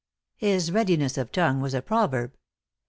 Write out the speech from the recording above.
His readiness 01 tongue was a proverb.